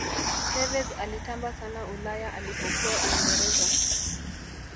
tevez alitamba sana ulaya alipokuwa uingereza